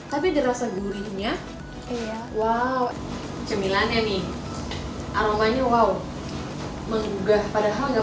tapi ada rasa gurihnya